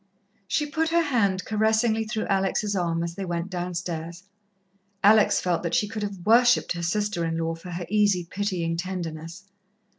She put her hand caressingly through Alex' arm, as they went downstairs. Alex felt that she could have worshipped her sister in law for her easy, pitying tenderness.